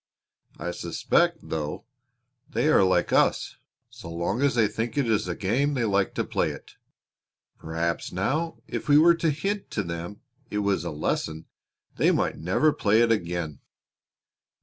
I suspect, though, they are like us so long as they think it is a game they like to play it. Perhaps, now, if we were to hint to them it was a lesson they might never play it again."